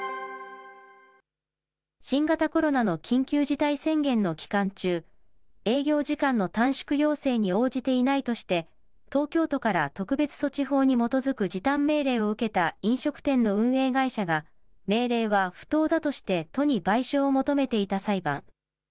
新型コロナの緊急事態宣言の期間中、営業時間の短縮要請に応じていないとして、東京都から特別措置法に基づく時短命令を受けた飲食店の運営会社が、命令は不当だとして都に賠償を求めていた裁判。